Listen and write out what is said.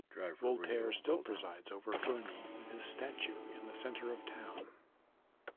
Voltaire still presides over Ferney with his statue in the center of town.